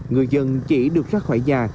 người dân chỉ được ra khỏi nhà